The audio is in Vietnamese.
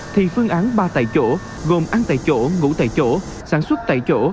thì phương án ba tại chỗ gồm ăn tại chỗ ngủ tại chỗ sản xuất tại chỗ